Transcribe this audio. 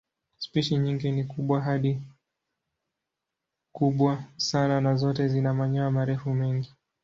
Spishi nyingi ni kubwa hadi kubwa sana na zote zina manyoya marefu mengi.